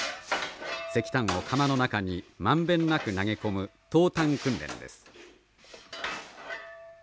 石炭をかまの中にまんべんなく投げ込む投炭訓練です。